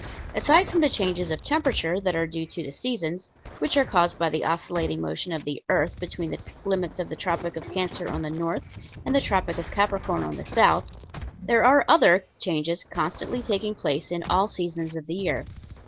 Aside from the changes of temperature that are due to the seasons, which are caused by the oscillating motion of the earth between the limits of the Tropic of Cancer on the north and the Tropic of Capricorn on the south, there are other changes constantly taking place in all seasons of the year.